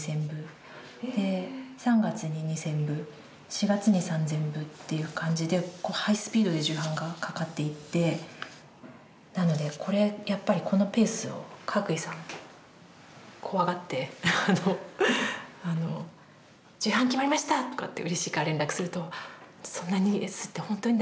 で３月に２，０００部４月に３，０００部っていう感じでハイスピードで重版がかかっていってなのでこれやっぱりこのペースをかがくいさん怖がって「重版決まりました！」とかってうれしいから連絡すると「そんなに刷ってほんとに大丈夫？